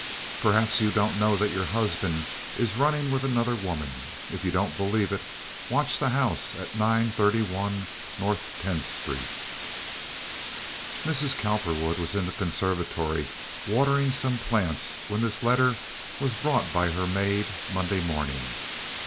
Perhaps you don't know that your husband is running with another woman. If you don't believe it, watch the house at 931 North Tenth Street. Mrs. Cowperwood was in the conservatory watering some plants when this letter was brought by her maid Monday morning.